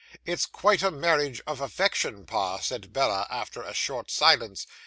"It's quite a marriage of affection, pa," said Bella, after a short silence.